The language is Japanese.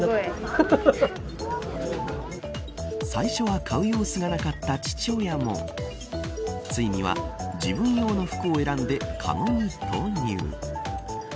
最初は買う様子がなかった父親もついには自分用の服を選んでかごに投入。